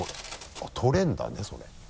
あっ取れるんだねそれ。